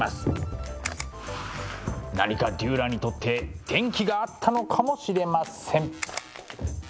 何かデューラーにとって転機があったのかもしれません。